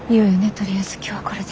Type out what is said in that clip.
とりあえず今日はこれで。